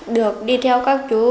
được đi theo các chú